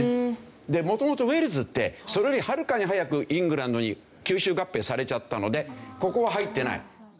元々ウェールズってそれよりはるかに早くイングランドに吸収合併されちゃったのでここは入ってない。